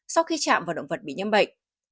sau khi chạm vào động vật bị nhiễm bệnh